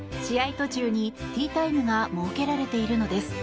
途中にティータイムが設けられているのです。